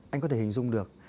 anh có thể hình dung được